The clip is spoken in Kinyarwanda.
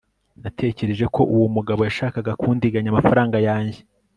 natekereje ko uwo mugabo yashakaga kundiganya amafaranga yanjye